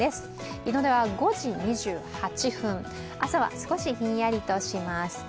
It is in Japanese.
日の出は５時２８分、朝は少しひんやりとします。